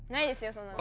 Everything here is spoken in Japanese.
そんなの。